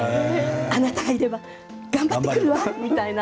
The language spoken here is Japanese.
あなたがいれば頑張ってくるわみたいな。